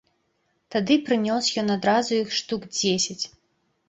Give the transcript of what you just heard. Тады прынёс ён адразу іх штук дзесяць.